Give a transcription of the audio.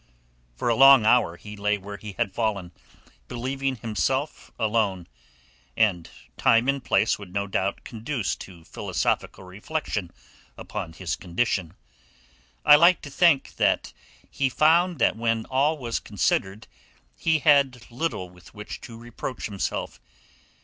For a long hour he lay where he had fallen, believing himself alone; and time and place would no doubt conduce to philosophical reflection upon his condition. I like to think that he found that when all was considered, he had little with which to reproach himself.